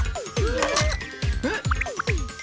えっ？